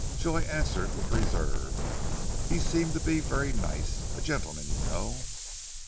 Joy answered with reserve. "He seemed to be very nice a gentleman, you know."